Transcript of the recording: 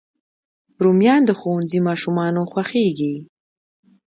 رومیان د ښوونځي ماشومانو خوښېږي